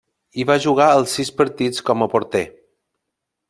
Hi va jugar els sis partits com a porter.